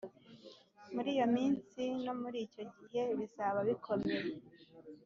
muri iyo minsi no muri icyo gihe, bizaba bikomeye